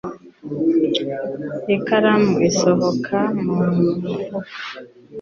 Ikaramu isohoka mu mufuka.